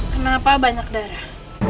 kenapa banyak darah